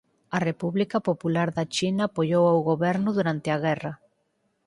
A República Popular da China apoiou ao goberno durante a guerra.